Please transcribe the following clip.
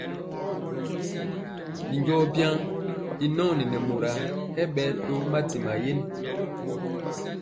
Binjɔɔ byaŋ i nɔɔni nɛ moraa hɛ ɓɛɛ to madiŋ mayen.